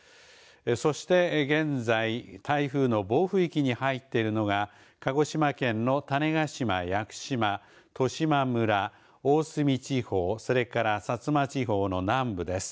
そして、現在台風の暴風域に入っているのが鹿児島県の種子島、屋久島十島村、大隅地方それから薩摩地方の南部です。